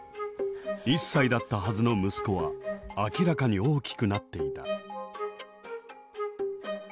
１歳だったはずの息子は明らかに大きくなっていた。